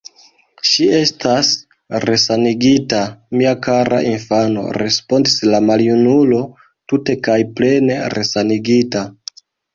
Ŝi estas resanigita, mia kara infano, respondis la maljunulo, tute kaj plene resanigita.